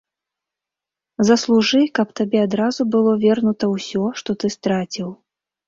Заслужы, каб табе адразу было вернута ўсё, што ты страціў.